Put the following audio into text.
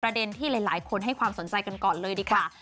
เด็นที่หลายคนให้ความสนใจกันก่อนเลยดีกว่า